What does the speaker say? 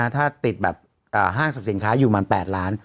ถ้าติดแบบห้างสักสินค้าอยู่มาร้านแปด